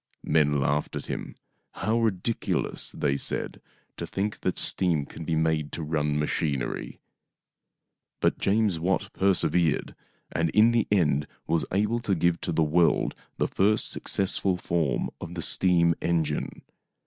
Men laughed at him. " How ridiculous," they said, " to think that steam can be made to run machinery !" But James Watt persevered, and in the end was able to give to the world the first successful form of the steam engine.